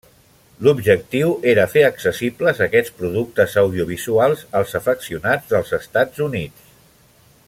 L'objectiu era fer accessibles aquests productes audiovisuals als afeccionats dels Estats Units.